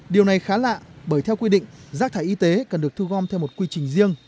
điều này khá lạ bởi theo quy định rác thải y tế cần được thu gom theo một quy trình riêng